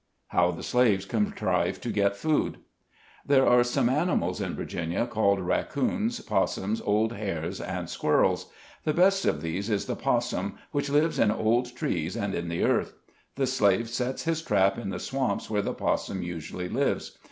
HOW THE SLAVES CONTRIVE TO GET FOOD. There are some animals in Virginia called rac coons, possums, old hares, and squirrels. The best of these is the possum, which lives in old trees and in the earth. The slave sets his trap in the swamps where the possum usually lives.